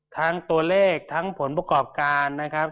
ทั้งตัวเลขทั้งผลประกอบการนะครับ